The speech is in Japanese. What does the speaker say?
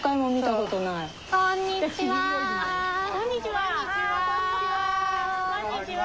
こんにちは。